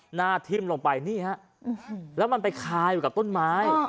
หน้าทิ่มลงไปนี่ฮะแล้วมันไปคาอยู่กับต้นไม้